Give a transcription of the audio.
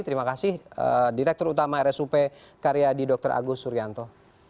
terima kasih direktur utama rsup karyadi dr agus suryanto